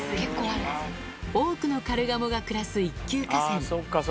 多くのカルガモが暮らす一級河川。